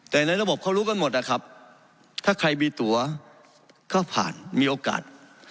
แต่ในระบบเขารู้กันหมดนะครับถ้าใครมีตัวก็ผ่านมีโอกาส